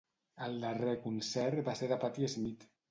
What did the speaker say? El darrer concert va ser de Patti Smith.